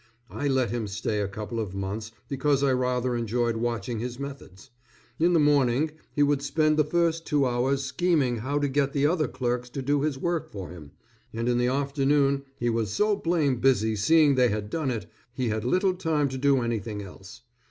I let him stay a couple of months because I rather enjoyed watching his methods. In the morning, he would spend the first two hours scheming how to get the other clerks to do his work for him, and in the afternoon he was so blame busy seeing they had done it, he had little time to do anything else.